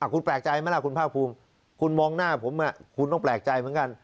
คุณแปลกใจไหมล่ะคุณภาคภูมิคุณมองหน้าผมคุณต้องแปลกใจเหมือนกัน